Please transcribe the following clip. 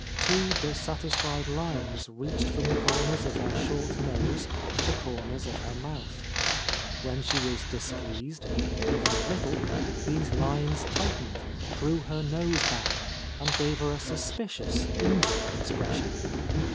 Two dissatisfied lines reached from the corners of her short nose to the corners of her mouth. When she was displeased, even a little, these lines tightened, drew her nose back, and gave her a suspicious, injured expression.